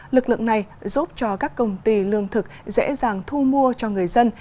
lực lượng này giúp cho các công ty lương thực dễ dàng thu mua cho người dân